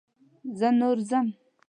زه نور ځم.